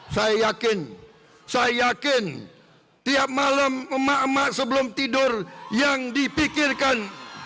saya yakin saya yakin tiap malam emak emak sebelum tidur yang dipikirkan